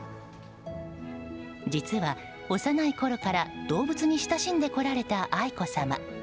実は幼いころから動物に親しんでこられた愛子さま。